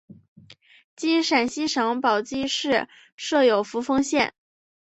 今陕西省宝鸡市设有扶风县。